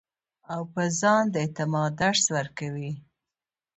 او پۀ ځان د اعتماد درس ورکوي -